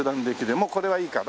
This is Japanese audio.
もうこれはいいかな。